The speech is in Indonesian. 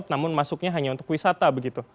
namun masuknya hanya untuk wisata begitu